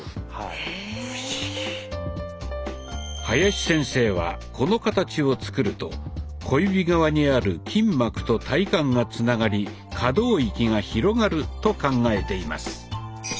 林先生はこの形を作ると小指側にある筋膜と体幹がつながり可動域が広がると考えています。